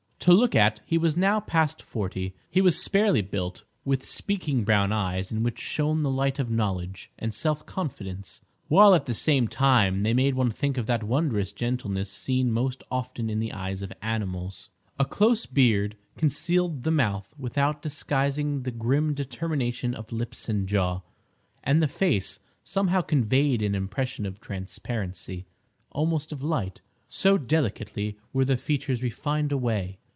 To look at—he was now past forty—he was sparely built, with speaking brown eyes in which shone the light of knowledge and self confidence, while at the same time they made one think of that wondrous gentleness seen most often in the eyes of animals. A close beard concealed the mouth without disguising the grim determination of lips and jaw, and the face somehow conveyed an impression of transparency, almost of light, so delicately were the features refined away.